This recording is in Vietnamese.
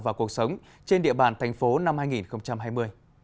và cuộc sống trên địa bàn tp hcm năm hai nghìn hai mươi